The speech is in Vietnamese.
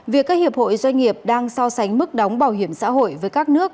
việc các hiệp hội doanh nghiệp đang so sánh mức đóng bảo hiểm xã hội với các nước